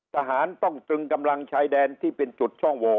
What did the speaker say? ทหารต้องตรึงกำลังชายแดนที่เป็นจุดช่องโว